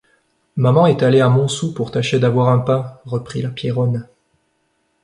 Maman est allée à Montsou pour tâcher d’avoir un pain, reprit la Pierronne.